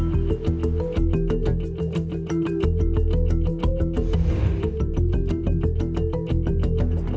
วัดไล่แตงทองจังหวัดนครปฐม